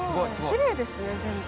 きれいですね全部。